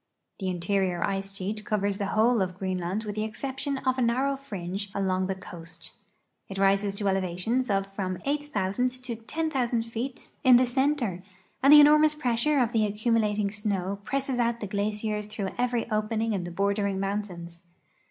The interior ice sheet covei s the whole of Greenland with the exception of a narrow fringe along the coa.st. It rises to elevations of from 8,000 to 10,000 feet in the 108 A SUMMER VOYAGE TO THE ARCTIC center, and the enormous pressure of the accumulating snow presses out the glaciers through every opening in the bordering mountains.